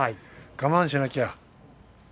我慢しなくちゃ。